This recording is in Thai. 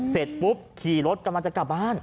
เสร็จปุ๊บขี่รถกำลังจะกลับบ้าน